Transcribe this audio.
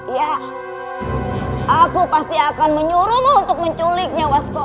iya aku pasti akan menyuruhmu untuk menculiknya asgore